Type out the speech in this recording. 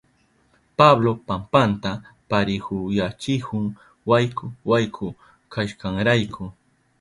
Pablo pampanta parihuyachihun wayku wayku kashkanrayku.